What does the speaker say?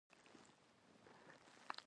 دې ته مې وویل دوی هم زموږ په څېر دي.